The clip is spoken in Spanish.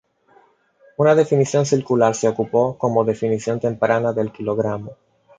Una definición circular se ocupó como definición temprana del kilogramo.